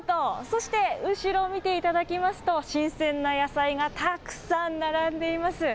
そして後ろを見ていただきますと、新鮮な野菜がたくさん並んでいます。